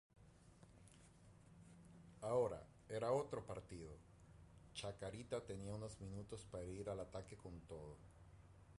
Ahora era otro partido, Chacarita tenía unos minutos para ir al ataque con todo.